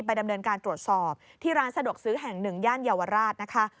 ดำเนินการตรวจสอบที่ร้านสะดวกซื้อแห่งหนึ่งย่านเยาวราชนะคะ